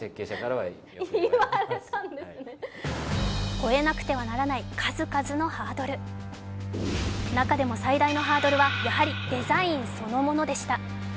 超えなくてはならない数々のハードル中でも最大のハードルはやはりデザインそのものでした。